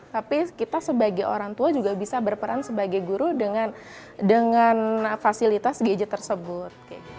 tapi kita sebagai orang tua juga bisa berperan sebagai guru dengan fasilitas gadget tersebut